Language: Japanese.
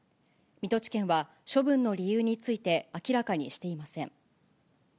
水戸地検は処分の理由について、明らかにしていません。